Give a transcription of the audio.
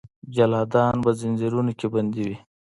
جلادان به ځنځیرونو کې بندي وي.